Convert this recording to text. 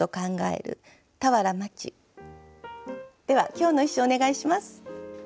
では今日の一首お願いします。